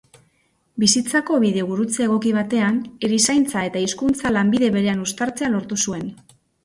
Bizitzako bidegurutze egoki batean, erizaintza eta hizkuntza lanbide berean uztartzea lortu zuen.